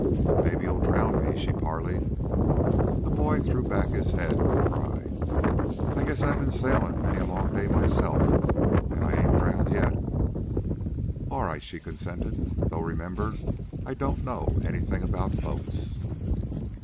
"Maybe you'll drown me," she parleyed. The boy threw back his head with pride. "I guess I've been sailin' many a long day by myself, an' I ain't drowned yet." "All right," she consented. "Though remember, I don't know anything about boats."